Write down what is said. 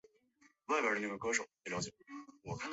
他是挪威科学和文学研究院的成员。